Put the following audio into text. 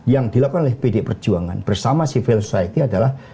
yang dilakukan oleh pd perjuangan bersama civil society adalah